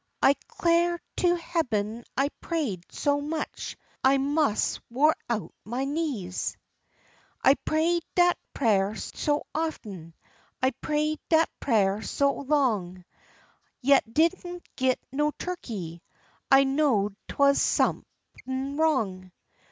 I 'clar to heaben I pray'd so much I mos' wore out ma knees. I pray'd dat prah so often, I pray'd dat prah so long, Yet didn't git no turkey, I know'd 'twas sump'n wrong.